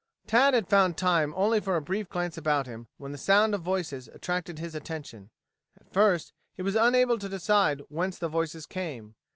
Tad had found time for only a brief glance about him, when the sound of voices attracted his attention. At first he was unable to decide whence the voices came.